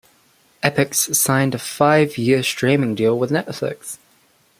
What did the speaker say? Epix signed a five-year streaming deal with Netflix.